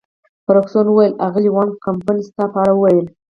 فرګوسن وویل: اغلې وان کمپن ستا په اړه ویل.